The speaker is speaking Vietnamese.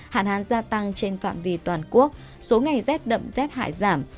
hạn hán gia tăng trên phạm vi toàn quốc số ngày rét đậm rét hại giảm